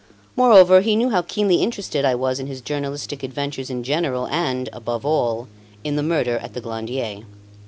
Moreover, he knew how keenly interested I was in his journalistic adventures in general and, above all, in the murder at the Glandier.